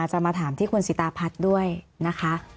จะมาถามที่คุณสิตาพัฒน์ด้วยนะคะ